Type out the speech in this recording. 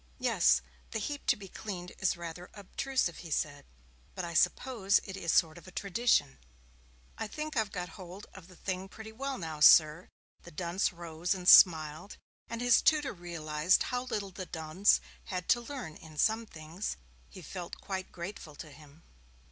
'Yes, the heap to be cleaned is rather obtrusive,' he said, 'but I suppose it is a sort of tradition.' 'I think I've got hold of the thing pretty well now, sir.' The dunce rose and smiled, and his tutor realized how little the dunce had to learn in some things. He felt quite grateful to him.